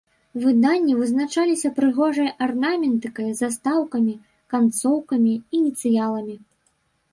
Выданні вызначаліся прыгожай арнаментыкай, застаўкамі, канцоўкамі, ініцыяламі.